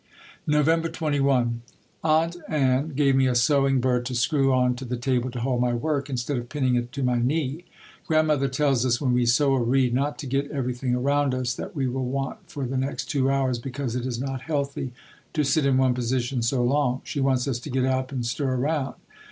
November 21. Aunt Ann gave me a sewing bird to screw on to the table to hold my work instead of pinning it to my knee. Grandmother tells us when we sew or read not to get everything around us that we will want for the next two hours because it is not healthy to sit in one position so long. She wants us to get up and "stir around."